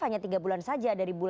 hanya tiga bulan saja